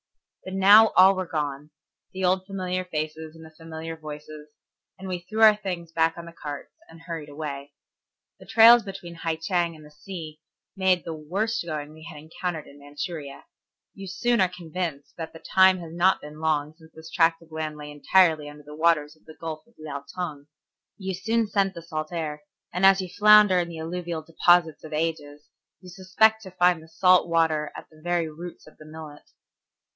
But now all were gone, the old familiar faces and the familiar voices, and we threw our things back on the carts and hurried away. The trails between Hai Cheng and the sea made the worst going we had encountered in Manchuria. You soon are convinced that the time has not been long since this tract of land lay entirely under the waters of the Gulf of Liaotung. You soon scent the salt air, and as you flounder in the alluvial deposits of ages, you expect to find the salt water at the very roots of the millet.